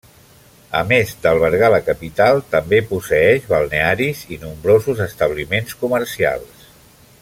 A més d'albergar la capital també posseeix balnearis i nombrosos establiments comercials.